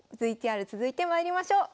ＶＴＲ続いてまいりましょう。